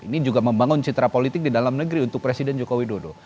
ini juga membangun citra politik di dalam negeri untuk presiden joko widodo